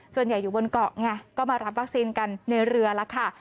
ส่วนใหญ่อยู่บนเกาะไงก็มารับวัคซีนกันในเรือแล้วค่ะ